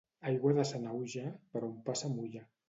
Aigua de Sanaüja, per on passa mulla.